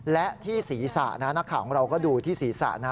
และที่ศีรษะนะนักข่าวของเราก็ดูที่ศีรษะนะ